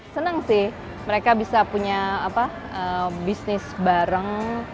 senang sih mereka bisa punya bisnis bareng